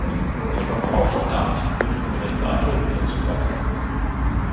Der verbrauchte Dampf wird im Kondensator wieder zu Wasser.